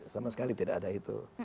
sama sekali tidak ada itu